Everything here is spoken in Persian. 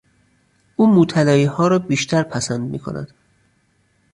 او موطلاییها را بیشتر پسند میکند.